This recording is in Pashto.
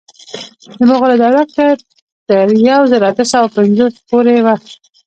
د مغولو دوره تر یو زر اته سوه اوه پنځوس پورې وه.